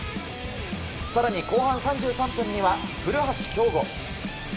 更に後半３３分には古橋亨梧。